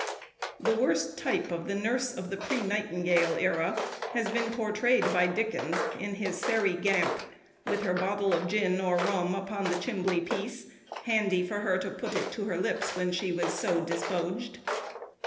The worst type of the nurse of the pre Nightingale era has been portrayed by Dickens in his "Sairey Gamp" with her bottle of gin or rum upon the "chimbley piece," handy for her to put it to her lips when she was "so dispoged."